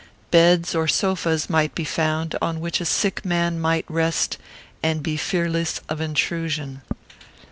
Beds or sofas might be found, on which a sick man might rest, and be fearless of intrusion.